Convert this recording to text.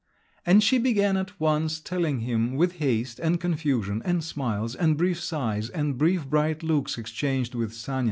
And she began at once telling him, with haste, and confusion, and smiles, and brief sighs, and brief bright looks exchanged with Sanin.